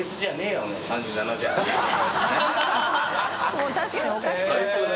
もう確かにおかしくなっちゃってる。